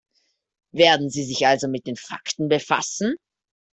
Werden Sie sich also mit den Fakten befassen?